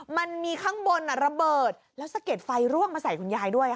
มันมีข้างบนระเบิดแล้วสะเก็ดไฟร่วงมาใส่คุณยายด้วย